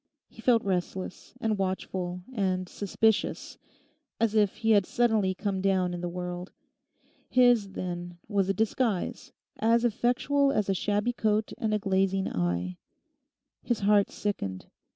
He felt restless, and watchful, and suspicious, as if he had suddenly come down in the world. His, then, was a disguise as effectual as a shabby coat and a glazing eye. His heart sickened.